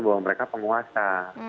bahwa mereka penguasa